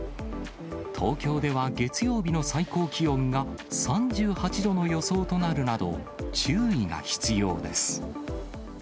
東京では月曜日の最高気温が３８度の予想となるなど、注意が必要です。